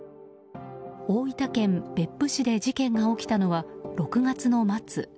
大分県別府市で事件が起きたのは、６月の末。